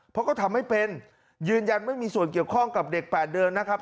เพราะก็ทำไม่เป็นยืนยันไม่มีส่วนเกี่ยวข้องกับเด็ก๘เดือนนะครับ